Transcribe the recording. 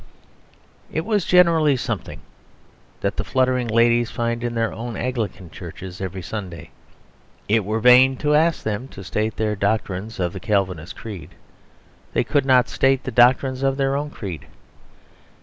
It was generally something that the fluttering ladies find in their own Anglican churches every Sunday. It were vain to ask them to state the doctrines of the Calvinist creed; they could not state the doctrines of their own creed.